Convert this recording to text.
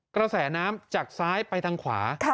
กระแสน้ำจากซ้ายไปทางขวา